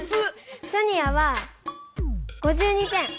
ソニアは５２点。